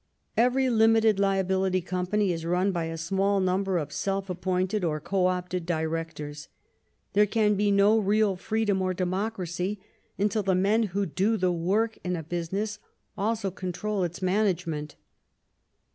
Every limited liability company is run by a small number of self appointed or coöpted directors. There can be no real freedom or democracy until the men who do the work in a business also control its management.